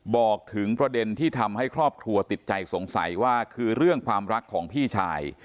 บอกถึงประเด็นที่ทำให้ครอบครัวติดใจสงสัยว่าคือเรื่องความรักของพี่ชาย